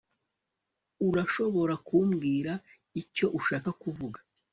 urashobora kumbwira icyo ushaka kuvuga